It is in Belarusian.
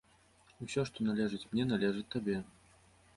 Усё, што належыць мне, належыць табе.